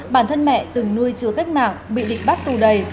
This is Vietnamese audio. bản thân mẹ từng nuôi chứa cách mạng bị địch bắt tù đầy